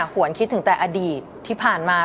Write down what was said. หวนคิดถึงแต่อดีตที่ผ่านมา